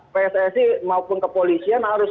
pssi maupun kepolisian harus